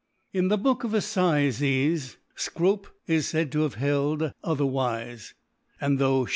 In the Book of AJftzes *, Scrape is faid to have held otherwife; and though 5i